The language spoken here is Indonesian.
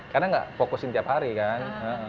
karena nggak fokusin tiap hari kan